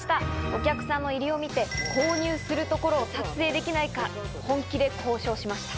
お客さんの入りを見て購入するところを撮影できないか本気で交渉しました。